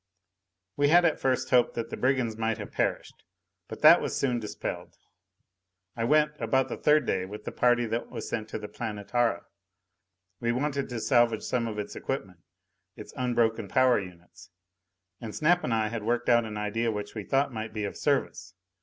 We had at first hoped that the brigands might have perished. But that was soon dispelled! I went about the third day with the party that was sent to the Planetara. We wanted to salvage some of its equipment, its unbroken power units. And Snap and I had worked out an idea which we thought might be of service.